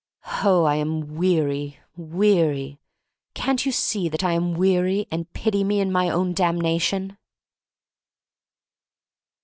Oh, I am weary, weary! Can't you see that I am weary and pity me in my own damnation?